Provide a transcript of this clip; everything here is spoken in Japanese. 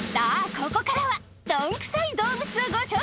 ここからはどんくさい動物をご紹介